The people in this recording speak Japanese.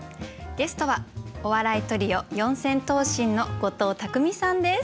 ゲストはお笑いトリオ四千頭身の後藤拓実さんです。